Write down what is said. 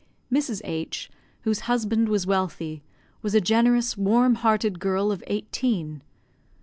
Mrs. H , whose husband was wealthy, was a generous, warm hearted girl of eighteen.